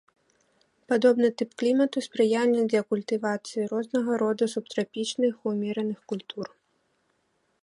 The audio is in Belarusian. Падобны тып клімату спрыяльны для культывацыі рознага роду субтрапічных і ўмераных культур.